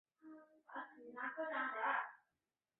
中方将为从坦桑尼亚采购的不足额部分支付现金。